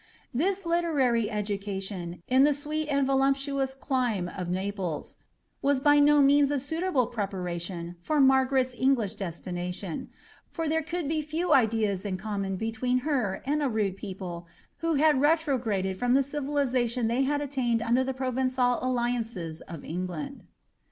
This littniry education, in the sweet and ToIupHions dime of Naples, I 1 by DO means a suitable preparation for Margaret's English deslina I : for there could be few ideas in common between her and a ruilg iple who had rptrogradeil from the civilisation they had altained under K I'rovenfal alliances of England.